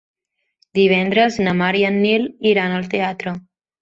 Divendres na Mar i en Nil iran al teatre.